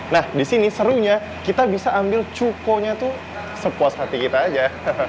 nah di sini serunya kita bisa ambil cukonya tuh sepuas hati kita aja